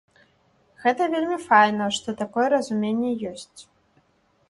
Гэта вельмі файна, што такое разуменне ёсць.